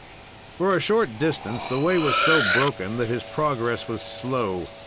For a short distance, the way was so broken that his progress was slow.